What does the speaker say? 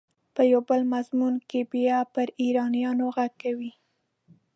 په یو بل مضمون کې بیا پر ایرانیانو غږ کوي.